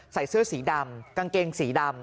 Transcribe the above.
ใส่เสื้อสีดำกางเกงสีดำ